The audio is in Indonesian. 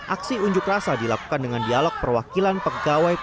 aksi unjuk rasa dilakukan dengan dialog perwakilan pegawai kpk